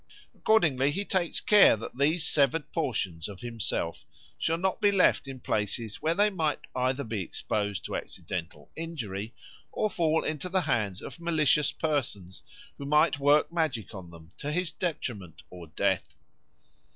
Accordingly he takes care that these severed portions of himself shall not be left in places where they might either be exposed to accidental injury or fall into the hands of malicious persons who might work magic on them to his detriment or death.